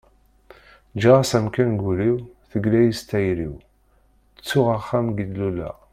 giɣ-as amkan deg ul-iw, tegla-yi s tayri-w, ttuɣ axxam deg i d-luleɣ